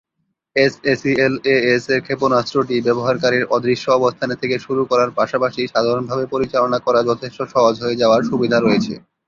এসএসিএলএএস-এর ক্ষেপণাস্ত্রটি ব্যবহারকারীর অদৃশ্য অবস্থানে থেকে শুরু করার পাশাপাশি সাধারণভাবে পরিচালনা করা যথেষ্ট সহজ হয়ে যাওয়ার সুবিধা রয়েছে।